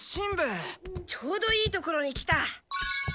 ちょうどいいところに来た。